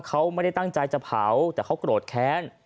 เขาไม่ได้ตั้งใจจะเผาแต่เขาโกรธแค้น